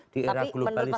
di era globalisasi